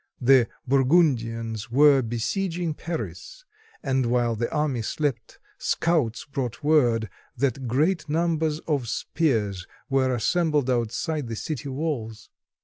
The Burgundians were beseiging Paris, and while the army slept scouts brought word that great numbers of spears were assembled outside the city walls.